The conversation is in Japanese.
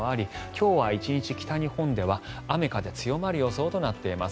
今日は１日北日本では雨風強まる状況となっています。